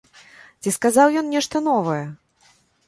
Ці сказаў ён нешта новае?